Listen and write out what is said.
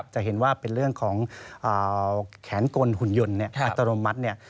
จะเห็นว่าเป็นเรื่องของแขนกลหุ่นยนต์อัตโนมัติเนี่ย